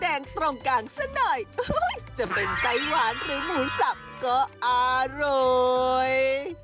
งตรงกลางซะหน่อยจะเป็นไส้หวานหรือหมูสับก็อร่อย